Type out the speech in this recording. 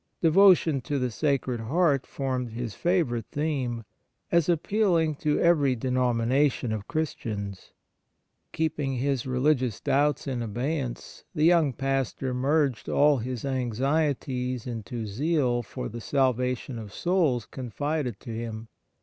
Devotion to the Sacred Heart formed his favourite theme, as appealing to every denomination of Chris tians. Keeping his religious doubts in 8 Memoir of Father Faber abeyance, the young pastor merged all liis anxieties into zeal for the salvation of the souls confided to him.